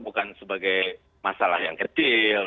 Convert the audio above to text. bukan sebagai masalah yang kecil